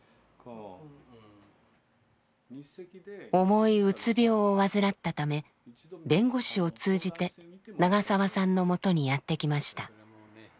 重いうつ病を患ったため弁護士を通じて長澤さんのもとにやって来ました。